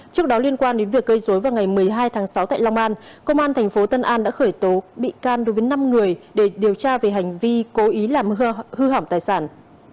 trước đó liên quan đến việc gây dối vào ngày một mươi hai tháng sáu tại long an công an thành phố tân an đã khởi tố bị can đối với năm người để điều tra về hành vi cố ý làm hư hỏng tài sản